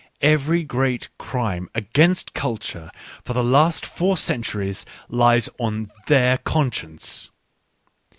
Every great crime against culture for the last four centuries lies on their conscience.